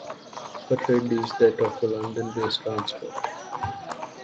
Her trade is that of a London-based transport.